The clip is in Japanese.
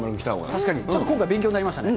確かに今回、勉強になりましたね。